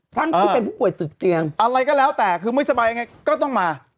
พรั้งที่ผู้โดยตึกเตียงอะไรก็แล้วแต่คือไม่สบายไงก็ต้องมา